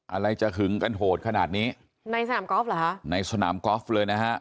อะไรจะหึงกันโหดขนาดนี้ในสนามกอล์ฟเหรอฮะในสนามกอล์ฟเลยนะฮะ